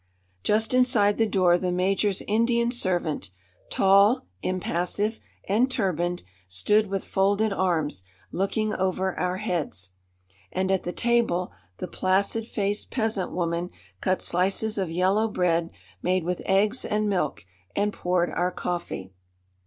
Just inside the door the major's Indian servant, tall, impassive and turbaned, stood with folded arms, looking over our heads. And at the table the placid faced peasant woman cut slices of yellow bread, made with eggs and milk, and poured our coffee.